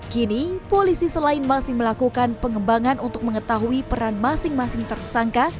kini polisi selain masih melakukan pengembangan untuk mengetahui peran masing masing tersangka